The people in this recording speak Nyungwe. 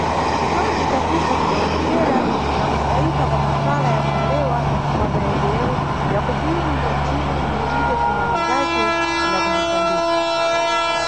Citonge ca FIFA cidawoneka na kusayika kwa mafala ya kulewa kwa mayendero ya kobiri ya thimu limwerire kuna lindzace la ku Musambiki.